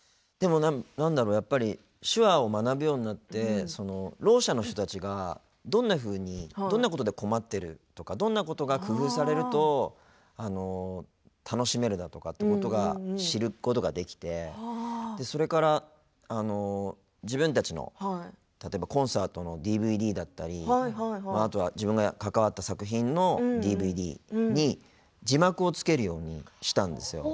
なんだろう、やっぱり手話を学ぶようになってろう者の人たちがどんなふうに、どんなことで困っているとかどんなことが工夫されると楽しめるだとかってこととかが知ることができて、それから自分たちの例えばコンサートのＤＶＤだったりあとは自分が関わった作品のＤＶＤに字幕をつけるようにしたんですよ。